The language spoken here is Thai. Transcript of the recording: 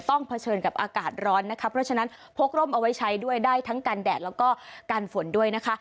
เผชิญกับอากาศร้อนนะคะเพราะฉะนั้นพกร่มเอาไว้ใช้ด้วยได้ทั้งกันแดดแล้วก็กันฝนด้วยนะคะ